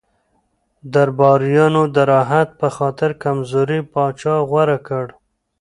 درباریانو د راحت په خاطر کمزوری پاچا غوره کړ.